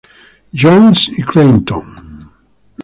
John's y Creighton.